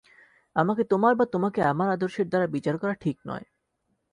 আমাকে তোমার বা তোমাকে আমার আদর্শের দ্বারা বিচার করা ঠিক নয়।